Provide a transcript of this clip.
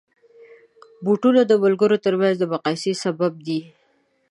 بوټونه د ملګرو ترمنځ د مقایسې سبب دي.